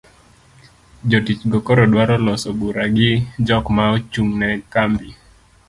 jotich go koro dwaro loso bura gi jok ma ochung'ne kambi